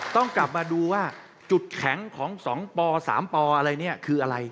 ต้องกลับมาดูว่าจุดแข็งของ๒ป๓ปอะไรเนี่ยคืออะไร